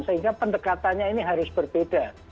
sehingga pendekatannya ini harus berbeda